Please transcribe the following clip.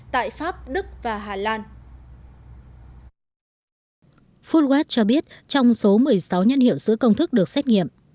tại pháp đức và hà lan foodwatch cho biết trong số một mươi sáu nhân hiệu sữa công thức được xét nghiệm